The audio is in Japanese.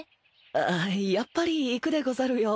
ああやっぱり行くでござるよ。